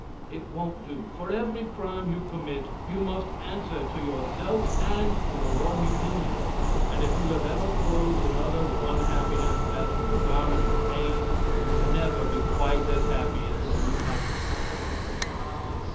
It won't do, for every crime you commit you must answer to yourself and to the one you injure. And if you have ever clothed another with unhappiness, as with a garment of pain, you will never be quite as happy as though you hadn't done that thing.